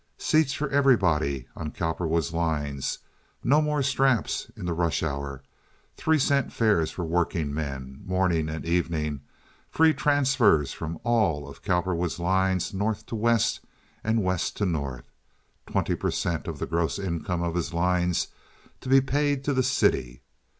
Seats for everybody (on Cowperwood's lines), no more straps in the rush hours, three cent fares for workingmen, morning and evening, free transfers from all of Cowperwood's lines north to west and west to north, twenty per cent. of the gross income of his lines to be paid to the city.